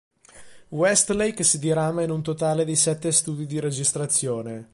Westlake si dirama in un totale di sette studi di registrazione.